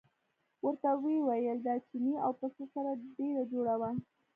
ورته ویې ویل د چیني او پسه سره ډېره جوړه وه.